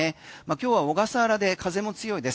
今日は小笠原で風も強いです。